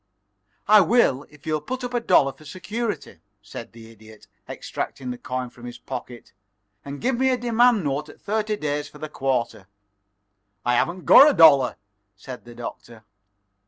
"I will if you'll put up a dollar for security," said the Idiot, extracting the coin from his pocket, "and give me a demand note at thirty days for the quarter." "I haven't got a dollar," said the Doctor.